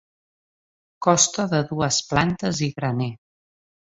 Costa de dues plantes i graner.